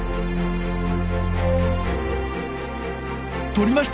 とりました！